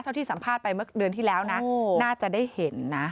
ที่สัมภาษณ์ไปเมื่อเดือนที่แล้วนะน่าจะได้เห็นนะ